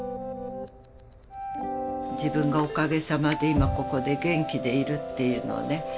自分がおかげさまで今ここで元気でいるっていうのはね